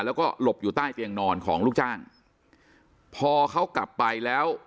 แล้วก็หลบอยู่ใต้เตียงนอนของลูกจ้างพอเขากลับไปแล้ว